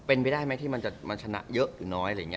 เป็นไปได้ไหมที่มันจะชนะเยอะหรือน้อย